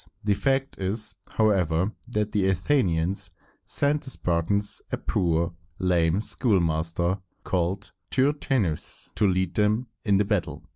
The fact is, however, that the Athenians sent the Spartans a poor, lame schoolmaster, called Tyr tæ´us, to lead them in battle.